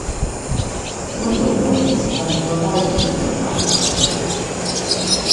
Woodville North is home to a large immigrant population.